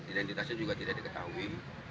yang data dan identitasnya juga tidak diketahui